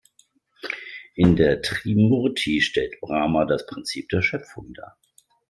In der Trimurti stellt Brahma das Prinzip der Schöpfung dar.